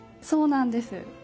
そうなんです。